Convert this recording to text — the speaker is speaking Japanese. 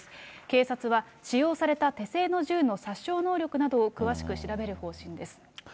警察は、使用された手製の銃の殺傷能力などを詳しく調べる方針です。